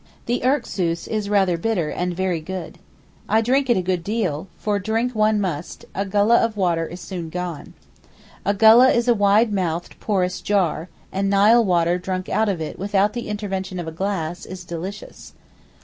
The erksoos is rather bitter and very good. I drink it a good deal, for drink one must; a gulleh of water is soon gone. A gulleh is a wide mouthed porous jar, and Nile water drunk out of it without the intervention of a glass is delicious.